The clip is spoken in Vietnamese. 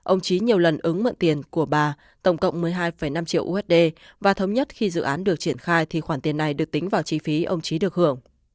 ông trí nhiều lần ứng mượn tiền của bà tổng cộng một mươi hai năm triệu usd và thống nhất khi dự án được triển khai thì khoản tiền này được tính vào chi phí ông trí được hưởng